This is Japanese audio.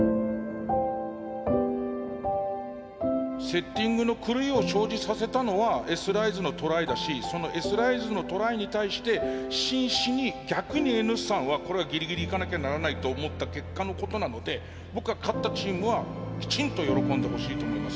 セッティングの狂いを生じさせたのはＳライズのトライだしそのＳライズのトライに対して真摯に逆にＮ産はこれはギリギリいかなきゃならないと思った結果のことなので僕は勝ったチームはきちんと喜んでほしいと思いますね。